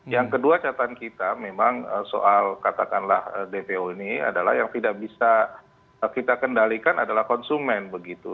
yang kedua catatan kita memang soal katakanlah dpo ini adalah yang tidak bisa kita kendalikan adalah konsumen begitu